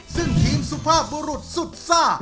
ซึ่งทีมสุภาพบุรุษสุดซ่า